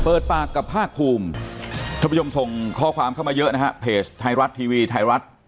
เปิดปากกับภาคคูมทุกคนส่งข้อความขึ้นมาเยอะแพสไทยรัตทีวีไทยรัฐ